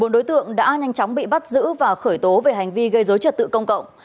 bốn đối tượng đã nhanh chóng bị bắt giữ và khởi tố về hành vi gây dối trật tự công cộng